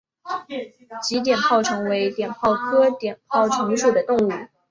鲫碘泡虫为碘泡科碘泡虫属的动物。